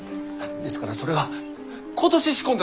ですからそれは今年仕込んだ